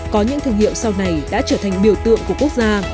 có những thương hiệu sau này đã trở thành biểu tượng của quốc gia